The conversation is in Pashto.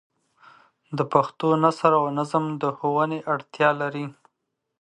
د پښتو نثر او نظم د ښوونې اړتیا لري.